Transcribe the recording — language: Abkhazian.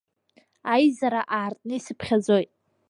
Аизара аартны исыԥхьаӡоит…